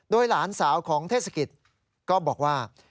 โดยหลานสาวของเทศกิจก็บอกว่า